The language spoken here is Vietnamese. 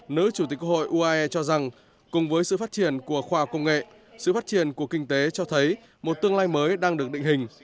nữ chủ tịch hội uae cho rằng cùng với sự phát triển của khoa học công nghệ sự phát triển của kinh tế cho thấy một tương lai mới đang được định hình